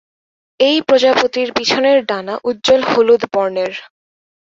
এই প্রজাপতির পিছনের ডানা উজ্জ্বল হলুদ বর্ণের।